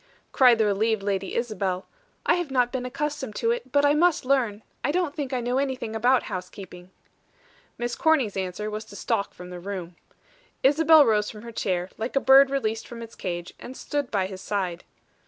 cried the relieved Lady Isabel. "I have not been accustomed to it, but I must learn. I don't think I know anything about housekeeping." Miss Corny's answer was to stalk from the room. Isabel rose from her chair, like a bird released from its cage, and stood by his side.